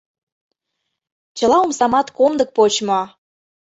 Чыла омсамат комдык почмо.